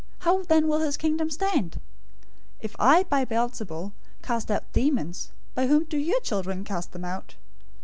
How then will his kingdom stand? 012:027 If I by Beelzebul cast out demons, by whom do your children cast them out?